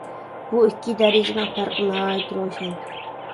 بۇ ئىككى دەرىجىنىڭ پەرقى ناھايىتى روشەن.